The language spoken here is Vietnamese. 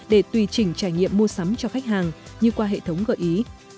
để tùy chỉnh trải nghiệm mua sắm cho khách hàng như qua hệ thống gợi ý